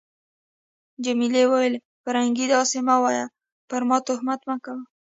جميلې وويل: فرګي، داسي مه وایه، پر ما تهمت مه کوه.